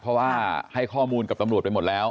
เพราะว่าให้ข้อมูลกับตำรวจไปหมดแล้ว